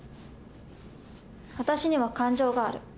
私には感情がある。